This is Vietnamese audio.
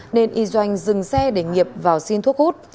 nên y doanh dừng xe để nghiệp vào xin thuốc hút